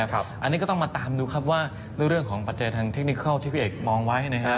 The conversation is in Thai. อันนี้ก็ต้องมาตามดูครับว่าเรื่องของปัจจัยทางเทคนิคัลที่พี่เอกมองไว้นะครับ